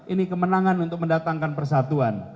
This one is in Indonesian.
ini kemenangan untuk mendatangkan persatuan